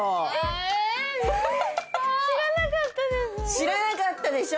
知らなかったでしょ？